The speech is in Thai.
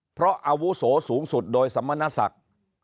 เพราะอาวุโสสูงสุดโดยสมณศักดิ์